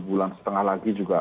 bulan setengah lagi juga